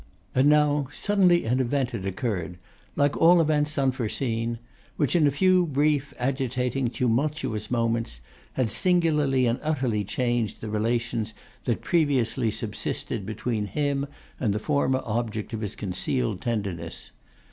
And now, suddenly, an event had occurred, like all events, unforeseen, which in a few, brief, agitating, tumultuous moments had singularly and utterly changed the relations that previously subsisted between him and the former object of his concealed tenderness.